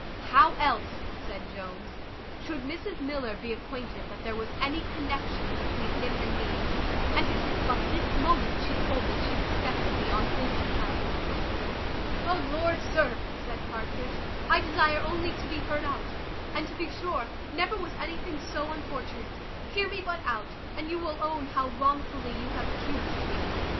"How else," said Jones, "should Mrs Miller be acquainted that there was any connexion between him and me? And it is but this moment she told me she respected me on his account." "O Lord, sir," said Partridge, "I desire only to be heard out; and to be sure, never was anything so unfortunate: hear me but out, and you will own how wrongfully you have accused me.